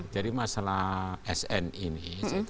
jadi masalah sn ini